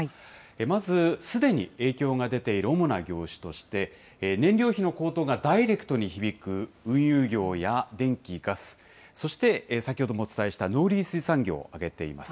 まず、すでに影響が出ている主な業種として、燃料費の高騰がダイレクトに響く運輸業や電気・ガス、そして先ほどもお伝えした農林水産業を挙げています。